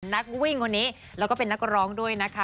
นักวิ่งคนนี้แล้วก็เป็นนักร้องด้วยนะคะ